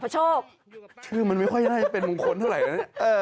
โชคชื่อมันไม่ค่อยน่าจะเป็นมงคลเท่าไหร่นะ